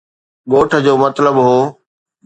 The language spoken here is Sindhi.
ڳوٺ جو مطلب هو